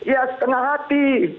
ya setengah hati